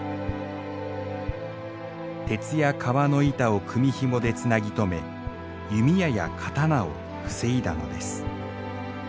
鉄や革の板を組みひもでつなぎ止め弓矢や刀を防いだのです。